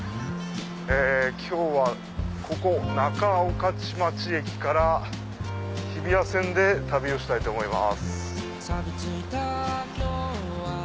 今日はここ仲御徒町駅から日比谷線で旅をしたいと思います。